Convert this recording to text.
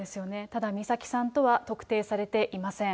ただ、美咲さんとは特定されていません。